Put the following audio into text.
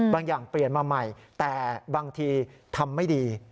อย่างเปลี่ยนมาใหม่แต่บางทีทำไม่ดี